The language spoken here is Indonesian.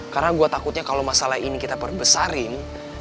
karena gua takutnya kalo masalah ini kita perbesarin